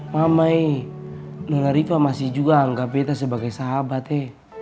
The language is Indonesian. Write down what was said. mamai nona riva masih juga anggap beta sebagai sahabat he